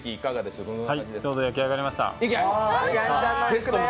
ちょうど焼き上がりました。